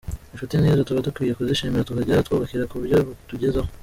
Inshuti nk’izo tuba dukwiye kuzishimira tukajya twubakira kubyo batugezaho.